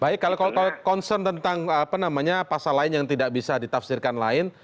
baik kalau concern tentang apa namanya pasal lain yang tidak bisa ditafsirkan lain